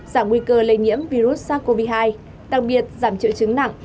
giảm nguy cơ lây nhiễm virus sars cov hai đặc biệt giảm triệu chứng nặng